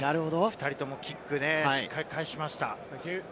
２人ともキック、しっかり返しました。